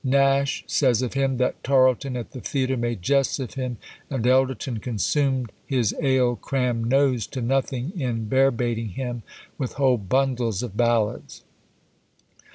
Nash says of him, that "Tarlton at the theatre made jests of him, and Elderton consumed his ale crammed nose to nothing, in bear baiting him with whole bundles of ballads."